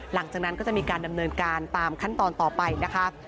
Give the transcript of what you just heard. หลังจากนั้นก็จะมีการดำเนินการตามขั้นตอนต่อไปนะคะ